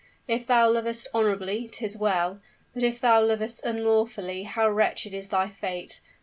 If thou lovest honorably, 'tis well; but if thou lovest unlawfully how wretched is thy fate!